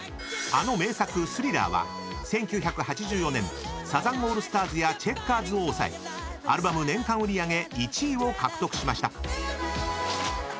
［あの名作『スリラー』は１９８４年サザンオールスターズやチェッカーズを抑えアルバム年間売り上げ１位を獲得しました］